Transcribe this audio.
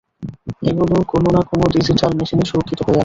এগুলো কোনো না কোনো ডিজিটাল মেশিনেই সুরক্ষিত হয়ে আছে।